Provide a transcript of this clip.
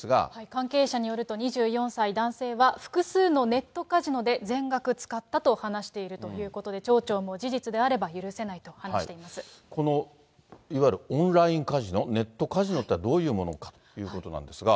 関係者によると、２４歳男性は、複数のネットカジノで全額使ったと話しているということで、町長も事実であれば許せないと話いわゆるオンラインカジノ、ネットカジノっていうのはどういうものかということなんですが。